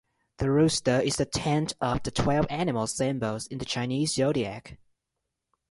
The Rooster is the tenth of the twelve animal symbols in the Chinese zodiac.